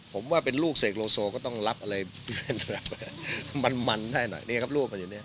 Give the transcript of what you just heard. ผมว่าเป็นลูกเสกโลโซก็ต้องรับอะไรมันให้หน่อยเนี่ยครับรูปมันอยู่เนี่ย